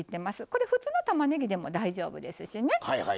これ普通のたまねぎでも大丈夫ですしね。